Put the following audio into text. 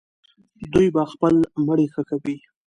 دوی به خپل مړي ښخوي.